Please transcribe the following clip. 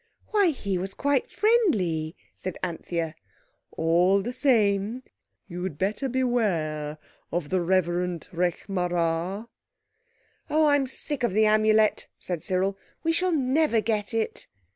"Why, he was quite friendly," said Anthea. "All the same you'd better beware of the Reverend Rekh marā." "Oh, I'm sick of the Amulet," said Cyril, "we shall never get it."